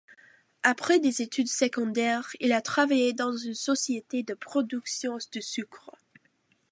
Après des études secondaires, il a travaillé dans une société de production de sucre.